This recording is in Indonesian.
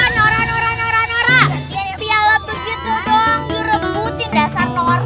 nora nora nora piala begitu doang direbutin dasar nora